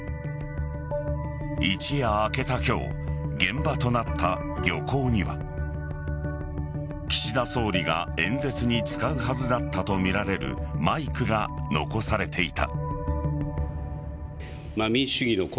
一夜明けた今日現場となった漁港には岸田総理が演説に使うはずだったとみられるマイクが残されていた。